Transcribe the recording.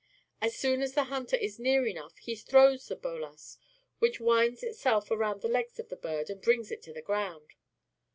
As soon as the hunter is near enough, he throws the bolas, which winds itself around the legs of the bird and brings it to the ground.